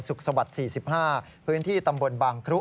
ศุกรสวรรค์๔๕พื้นที่ตำบลบังคลุ